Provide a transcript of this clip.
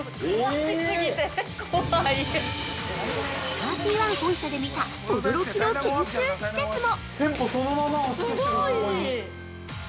◆サーティワン本社で見た驚きの研修施設も。